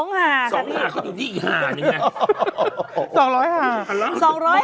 ๒หาเขาอยู่ที่อีกหาหนึ่งไง